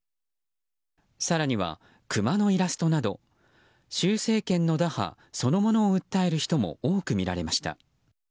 更にはクマのイラストなど習政権の打破そのものを訴える人も多く見られました。